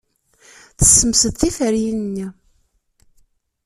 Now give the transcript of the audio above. Tessemsed tiferyin-nni.